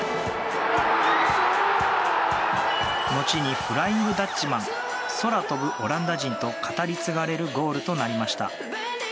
のちにフライング・ダッチマン空飛ぶオランダ人と語り継がれるゴールとなりました。